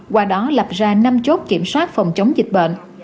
qua đó lập ra năm chốt kiểm soát phòng chống dịch bệnh